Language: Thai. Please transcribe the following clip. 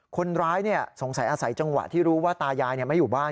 คนร้ายสงสัยอาศัยจังหวะที่รู้ว่าตายายไม่อยู่บ้าน